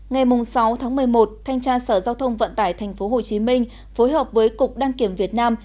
ngày sáu tháng một mươi một thanh tra sở giao thông vận tải tp hcm phối hợp với cục đăng kiểm việt nam